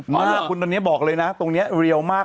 เมื่อคุณตอนนี้บอกเลยนะตรงนี้เรียวมาก